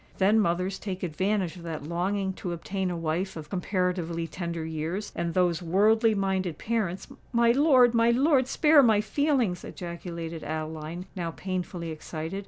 Then mothers take advantage of that longing to obtain a wife of comparatively tender years; and those worldly minded parents——" "My lord—my lord, spare my feelings!" ejaculated Adeline, now painfully excited.